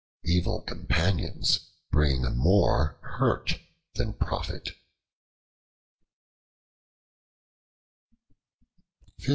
Evil companions bring more hurt than profit.